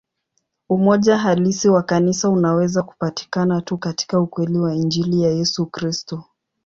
Umoja halisi wa Kanisa unaweza kupatikana tu katika ukweli wa Injili ya Yesu Kristo.